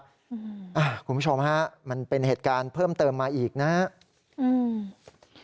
คุณผู้ชมฮะมันเป็นเหตุการณ์เพิ่มเติมมาอีกนะครับ